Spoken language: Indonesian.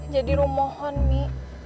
jadi rumohan mi